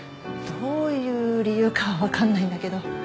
どういう理由かはわからないんだけど。